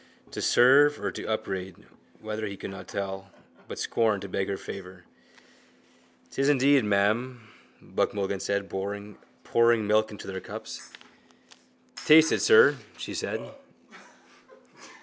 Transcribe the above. To serve or to upbraid, whether he could not tell: but scorned to beg her favour. —It is indeed, ma'am, Buck Mulligan said, pouring milk into their cups. —Taste it, sir, she said.